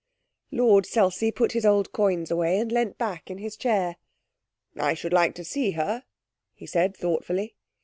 Lord Selsey put his old coins away, and leant back in his chair. 'I should like to see her,' he said thoughtfully.